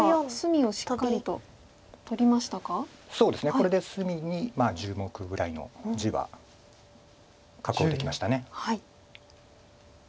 これで隅に１０目ぐらいの地は確保できました。